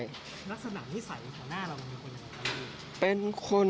ลักษณะนิสัยของหน้าเรามันเป็นคนยังไงครับ